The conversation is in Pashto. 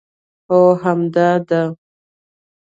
هو همدا ده